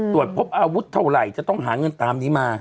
ตรวจพบอาวุธเท่าไหร่จะต้องหาเงินตามนี้มา